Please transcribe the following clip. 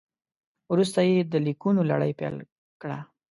وروسته یې د لیکونو لړۍ پیل کړه.